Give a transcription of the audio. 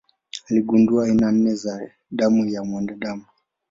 Aligundua aina nne za damu ya mwanadamu.